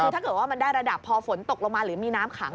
คือถ้าเกิดว่ามันได้ระดับพอฝนตกลงมาหรือมีน้ำขัง